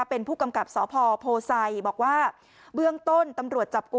เป็นผู้กำกับสภโพไซค์